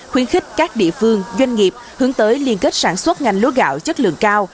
khuyến khích các địa phương doanh nghiệp hướng tới liên kết sản xuất ngành lúa gạo chất lượng cao